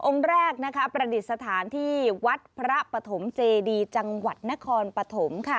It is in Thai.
แรกประดิษฐานที่วัดพระปฐมเจดีจังหวัดนครปฐมค่ะ